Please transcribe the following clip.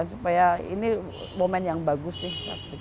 supaya ini momen yang bagus sih